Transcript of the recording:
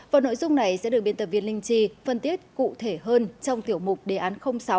và nội dung này sẽ được biên tập viên linh chi phân tiết cụ thể hơn trong tiểu mục đề án sáu